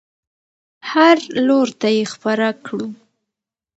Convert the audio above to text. هر لور ته یې خپره کړو.